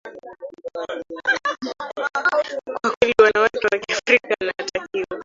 kwa kweli wanawake wa kiafrika anatakiwa